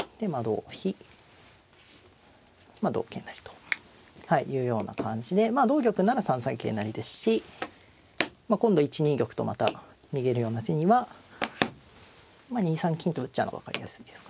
同飛同桂成というような感じでまあ同玉なら３三桂成ですし今度１二玉とまた逃げるような手には２三金と打っちゃうのが分かりやすいですかね。